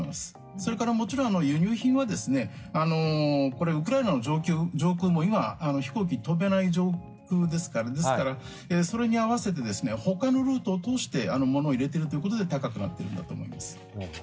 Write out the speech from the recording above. それから、もちろん輸入品はウクライナの上空も今、飛行機が飛べない状況ですからそれに合わせてほかのルートを通して物を入れているということで高くなっているんだと思います。